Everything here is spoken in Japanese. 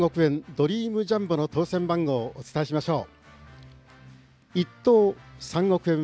ドリームジャンボの当せん番号をお伝えしましょう。